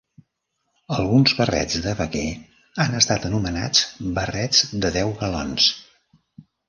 Alguns barrets de vaquer han estat anomenats barrets de "deu galons".